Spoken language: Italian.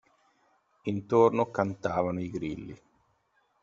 Intorno cantavano i grilli.